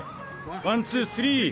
ワンツースリー！